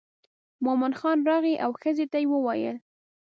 مومن خان راغی او ښځې ته یې وویل.